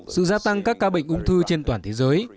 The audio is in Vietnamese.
sự gia tăng các ca bệnh ung thư trên toàn thế giới